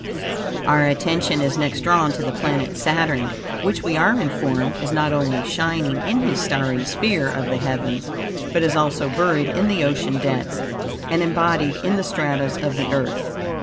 Our attention is next drawn to the planet Saturn, which, we are informed, is not only shining in his starry sphere of the heavens, but is also buried in the ocean depths and embodied in the stratas of the earth.